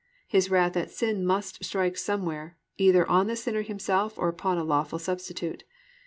His wrath at sin must strike somewhere, either on the sinner himself or upon a lawful substitute.